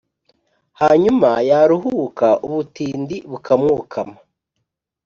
hanyuma yaruhuka, ubutindi bukamwokama.